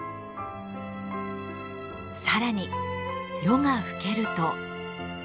更に夜が更けると。